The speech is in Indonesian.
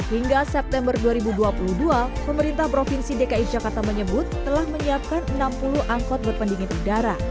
hingga september dua ribu dua puluh dua pemerintah provinsi dki jakarta menyebut telah menyiapkan enam puluh angkut berpendingin udara